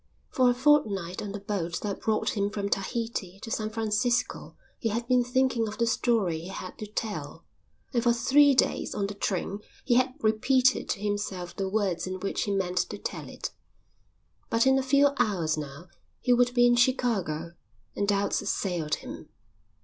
For a fortnight on the boat that brought him from Tahiti to San Francisco he had been thinking of the story he had to tell, and for three days on the train he had repeated to himself the words in which he meant to tell it. But in a few hours now he would be in Chicago, and doubts assailed him.